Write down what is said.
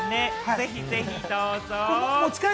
ぜひぜひ、どうぞ。